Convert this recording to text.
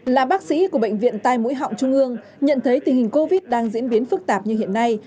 là bác sĩ của bệnh viện tai mũi họng trung ương nhận thấy tình hình covid đang diễn biến phức tạp như hiện nay